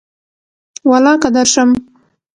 ولاکه درشم